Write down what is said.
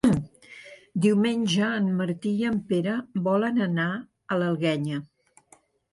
Diumenge en Martí i en Pere volen anar a l'Alguenya.